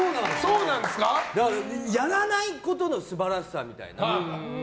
やらないことの素晴らしさみたいな。